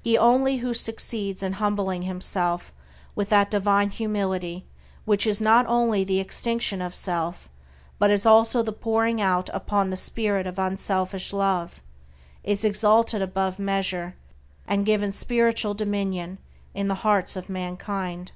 He only who succeeds in humbling himself with that divine humility which is not only the extinction of self, but is also the pouring out upon all the spirit of unselfish love, is exalted above measure, and given spiritual dominion in the hearts of mankind.